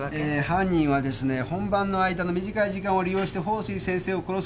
犯人はですね本番の間の短い時間を利用して鳳水先生を殺そうと考えた。